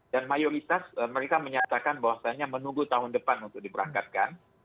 dan mayoritas mereka menyatakan bahwasannya menunggu tahun depan untuk diberangkatkan